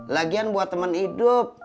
lagian buat temen hidup